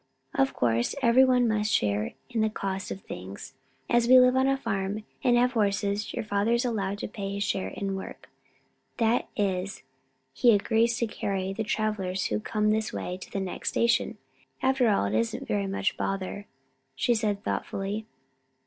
Of course every one must share in the cost of these things. As we live on a farm and have horses, your father is allowed to pay his share in work. That is, he agrees to carry the travellers who come this way to the next station. After all, it isn't very much bother," she said, thoughtfully.